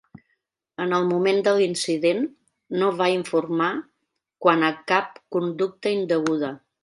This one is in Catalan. En el moment de l'incident, no va informar quant a cap conducta indeguda.